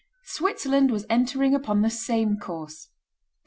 Switzerland was entering upon the same course.